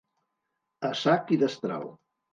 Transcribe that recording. A sac i destral.